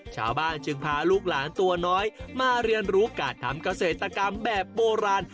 ชาวบ้านจึงพาลูกหลานตัวน้อยมาเรียนรู้การทำเกษตรกรรมแบบโบราณ